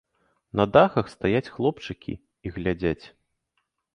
На дахах стаяць хлопчыкі і глядзяць.